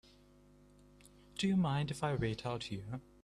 Do you mind if I wait out here?